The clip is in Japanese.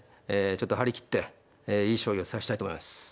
ちょっと張り切っていい将棋を指したいと思います。